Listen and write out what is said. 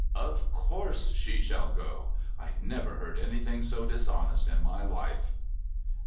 "Of course she shall go. I never heard anything so dishonest in my life!..."